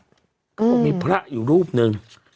บอกว่ามีภรรณ์อยู่รูปนึง